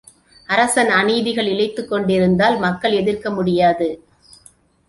அரசன் அநீதிகள் இழைத்துக்கொண்டிருந்தால் மக்கள் எதிர்க்க முடியாது.